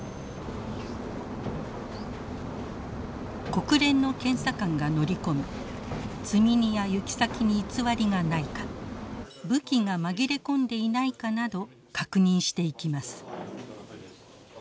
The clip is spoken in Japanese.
国連の検査官が乗り込み積み荷や行き先に偽りがないか武器が紛れ込んでいないかなど確認していきます。